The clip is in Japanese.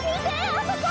あそこ！